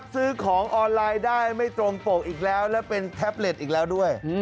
ซื้อของออนไลน์ได้ไม่ตรงปกอีกแล้วและเป็นแท็บเล็ตอีกแล้วด้วย